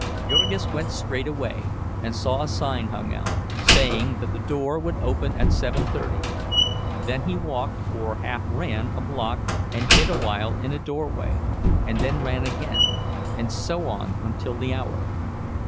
Jurgis went straightway, and saw a sign hung out, saying that the door would open at seven thirty; then he walked, or half ran, a block, and hid awhile in a doorway and then ran again, and so on until the hour.